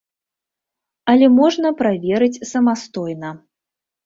Але можна праверыць самастойна.